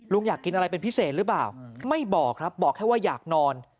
อยากกินอะไรเป็นพิเศษหรือเปล่าไม่บอกครับบอกแค่ว่าอยากนอน